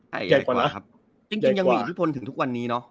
ใหญ่กว่านี้ครับจริงจริงยังมีอิทธิพลถึงทุกวันนี้เนอะ